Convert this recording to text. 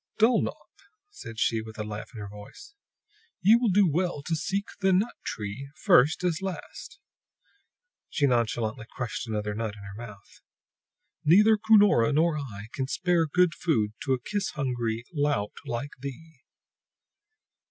"Dulnop," said she, with a laugh in her voice, "ye will do well to seek the nut tree, first as last." She nonchalantly crushed another shell in her mouth. "Neither Cunora nor I can spare good food to a kiss hungry lout like thee!"